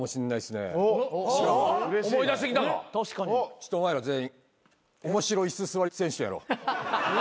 ちょっとお前ら全員おもしろイス座り選手権やろう。